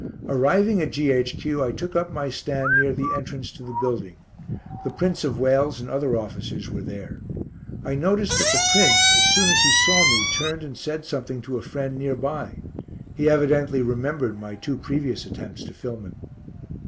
Arriving at G.H.Q. I took up my stand near the entrance to the building. The Prince of Wales and other officers were there. I noticed that the Prince, as soon as he saw me, turned and said something to a friend near by. He evidently remembered my two previous attempts to film him.